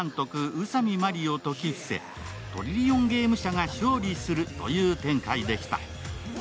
宇佐美マリを説き伏せトリリオンゲーム社が勝利するという展開でした。